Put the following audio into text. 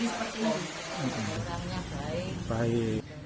relah mencari vaksin